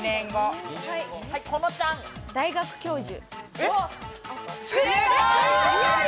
大学教授？